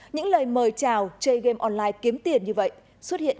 những lời mời chào chơi game online kiếm tiền như vậy xuất hiện